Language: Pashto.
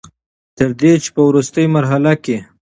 تر دې چې په ورورستۍ مرحله کښې